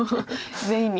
全員に。